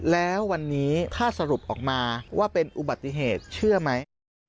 แล้ววันนี้ถ้าสรุปออกมาว่าเป็นอุบัติเหตุเชื่อไหม